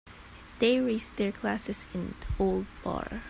They raised their glasses in the old bar.